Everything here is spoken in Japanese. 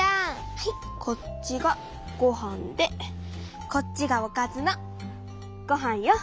はいこっちがごはんでこっちがおかずのごはんよ。